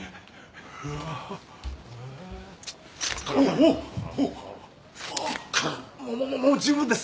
ももももう十分です。